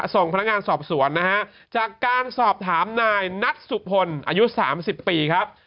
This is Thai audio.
ส่งพนักงานสอบสวนนะฮะจากการสอบถามนายนัทสุพลอายุ๓๐ปีครับ